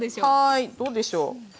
はいどうでしょう？